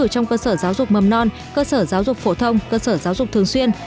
trong cơ sở giáo dục mầm non cơ sở giáo dục phổ thông cơ sở giáo dục thường xuyên